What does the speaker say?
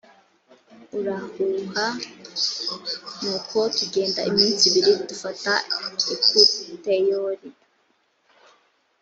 urahuha nuko tugenda iminsi ibiri dufata i puteyoli